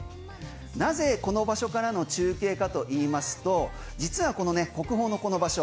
なぜ、この場所からの中継かといいますと、実は国宝のこの場所